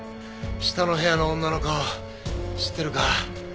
下の部屋の女の顔知ってるか？